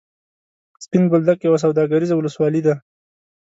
سپین بولدک یوه سوداګریزه ولسوالي ده.